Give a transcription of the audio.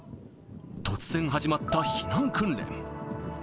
突然始まった避難訓練。